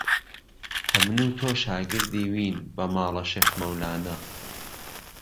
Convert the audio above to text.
ئەمن و تۆ شاگردی وین بە ماڵە شێخ مەولانە